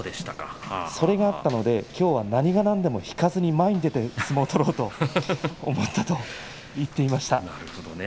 それがあったので、きょうは何が何でも前に出る相撲を取ろうと思ったと言っていました。